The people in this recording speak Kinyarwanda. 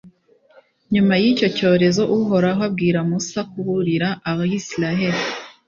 nyuma y’icyo cyorezo uhoraho abwira musa kuburira abayisiraheri.